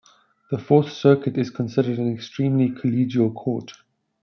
The Fourth Circuit is considered an extremely collegial court.